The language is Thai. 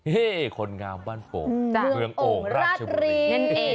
เฮ้เห้คนงามบ้านโป่งเบืององรัชบุรี